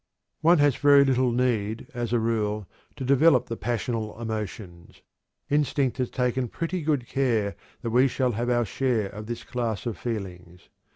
One has very little need, as a rule, to develop the passional emotions. Instinct has taken pretty good care that we shall have our share of this class of feelings.